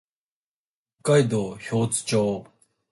北海道標津町